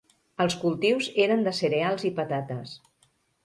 Els cultius eren de cereals i patates.